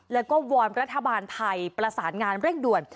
แล้วก็วอนรัฐบาลไทยประสานงานเร่งด่วน